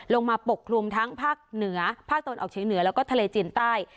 ลงมาปกรุงทั้งภาคตะวันออกเฉียงเหนือแล้วก็ทะเลจีนใต้